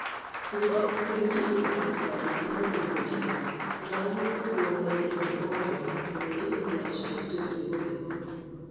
The detective immediately bade his servant admit the visitor, and, almost before he had given the order, the lady in question stood before him.